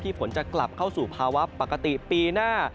ฝนจะกลับเข้าสู่ภาวะปกติปีหน้า